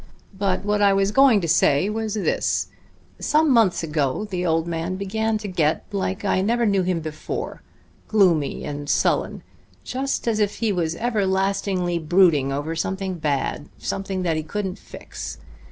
But what I was going to say was this: some months ago the old man began to get like I never knew him before gloomy and sullen, just as if he was everlastingly brooding over something bad, something that he couldn't fix.